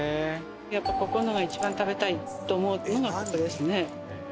ここのが一番食べたいと思うのがここですね。